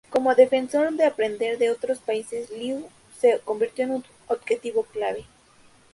Como defensor de aprender de otros países, Liu se convirtió en un objetivo clave.